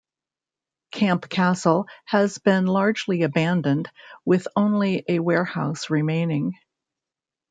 Camp Castle has been largely abandoned, with only a warehouse remaining.